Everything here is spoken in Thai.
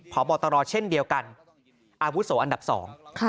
พบตรเช่นเดียวกันอาวุโสอันดับสอง